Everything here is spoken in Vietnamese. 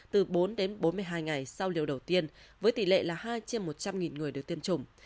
từ bốn đến bốn mươi hai ngày sau liều đầu tiên với tỷ lệ là hai trên một trăm linh người được tiêm chủng